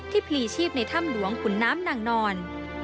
พลีชีพในถ้ำหลวงขุนน้ำนางนอน